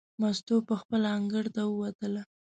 مستو پخپله انګړ ته ووتله.